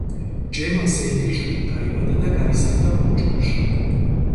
ჯემალ ზეინკლიშვილი დაიბადა და გაიზარდა ბორჯომში.